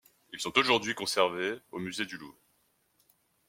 Ils sont aujourd'hui conservés au Musée du Louvre.